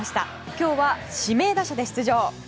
今日は指名打者で出場。